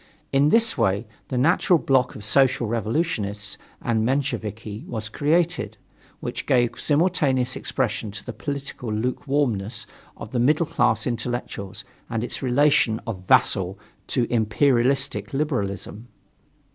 In this way, the natural bloc of Social Revolutionists and Mensheviki was created, which gave simultaneous expression to the political lukewarmness of the middle class intellectuals and its relation of vassal to imperialistic liberalism.